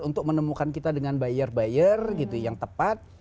untuk menemukan kita dengan buyer buyer gitu yang tepat